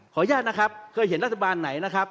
อนุญาตนะครับเคยเห็นรัฐบาลไหนนะครับ